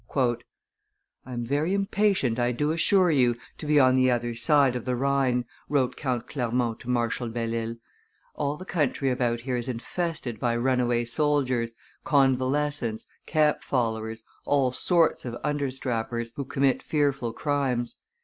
"I am very impatient, I do assure you, to be on the other side of the Rhine," wrote Count Clermont to Marshal Belle Isle; "all the country about here is infested by runaway soldiers, convalescents, camp followers, all sorts of understrappers, who commit fearful crimes.